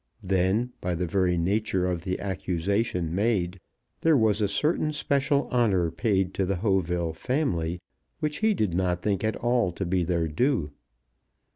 Then, by the very nature of the accusation made, there was a certain special honour paid to the Hauteville family which he did not think at all to be their due.